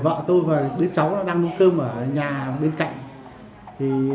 vợ tôi và đứa cháu đang đi cơm ở nhà bên cạnh